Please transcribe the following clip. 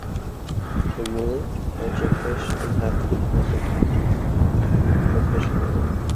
The mullet, archer fish and halfbeak are some species of fish in the area.